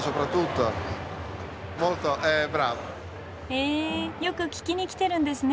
へえよく聴きに来てるんですね。